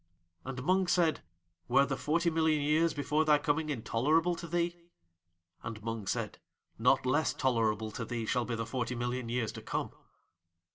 And Mung said: "Were the forty million years before thy coming intolerable to thee?" And Mung said: "Not less tolerable to thee shall be the forty million years to come!"